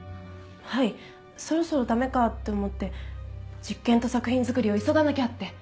はいそろそろダメかって思って実験と作品づくりを急がなきゃって。